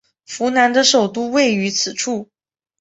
扶南的首都位于此处。